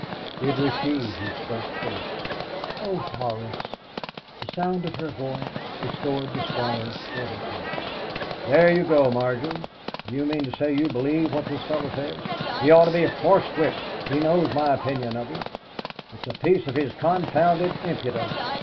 It was she who spoke first. "Oh, Horace!" The sound of her voice restored the Squire's fortitude. "There you go, Margery! D'you mean to say you believe what this fellow says? He ought to be horsewhipped. He knows my opinion of him. "It's a piece of his confounded impudence!